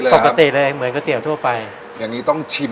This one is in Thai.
ปกติเลยเหมือนก๋วยเตี๋ยวทั่วไปอย่างนี้ต้องชิม